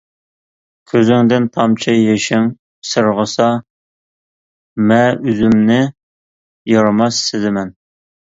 كۆزۈڭدىن تامچە يېشىڭ سىرغىسا، مە ئۆزۈمنى يارىماس سېزىمەن.